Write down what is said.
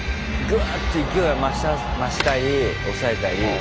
グーッと勢いが増したり抑えたり。